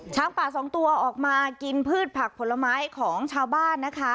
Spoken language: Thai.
ช้างป่าสองตัวออกมากินพืชผักผลไม้ของชาวบ้านนะคะ